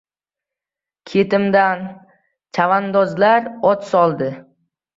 Ketimdan chavandozlar ot soldi.